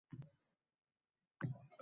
Qulf urdim, garchi sen yurtsan dovulga.